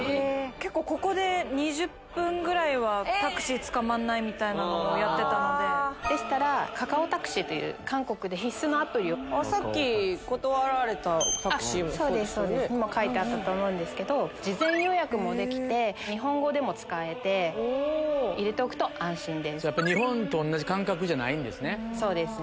結構ここで２０分ぐらいはタクシーつかまんないみたいなのをやってたのででしたらカカオタクシーという韓国で必須のアプリをにも書いてあったと思うんですけど事前予約もできて日本語でも使えて入れておくと安心です日本と同じ感覚じゃないんですね